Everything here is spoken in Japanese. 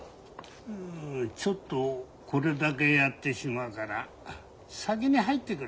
うんちょっとこれだけやってしまうから先に入ってくれ。